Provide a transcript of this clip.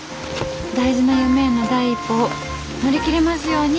大事な夢への第一歩を乗り切れますように。